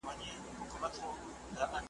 هره تیروتنه د زده کړې فرصت دی.